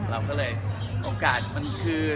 เราก็เลยโอกาสมันคือ